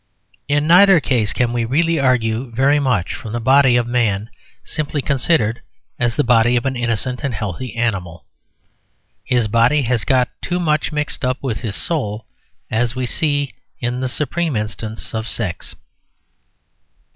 In neither case can we really argue very much from the body of man simply considered as the body of an innocent and healthy animal. His body has got too much mixed up with his soul, as we see in the supreme instance of sex.